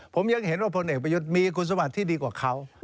ผมยังเห็นว่าพลเอกประยุทธ์มีคุณสมบัติที่ดีกว่าเขา